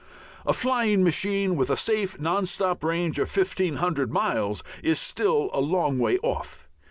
A flying machine with a safe non stop range of 1500 miles is still a long way off.